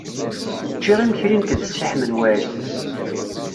Ččiɣ imekli nekk d Si Ḥmed Waɛli.